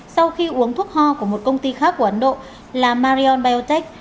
sau khi uống thuốc ho của một công ty khác của ấn độ là marion biotech